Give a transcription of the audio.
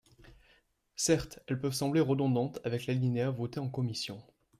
Certes, elles peuvent sembler redondantes avec l’alinéa voté en commission.